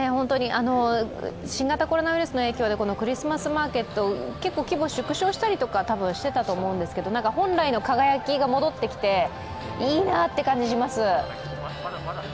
新型コロナウイルスの影響でクリスマスマーケット、結構規模を縮小したりとかしていたと思うんですけど本来の輝きが戻ってきていいなって感じがします。